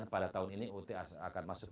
pada tahun ini ut akan masuk